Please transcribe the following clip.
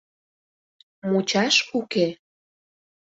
Мучаш уке...